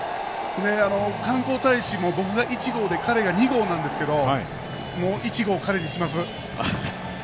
観光大使も僕が１号で彼が２号なんですけれども、もう１号、彼にします。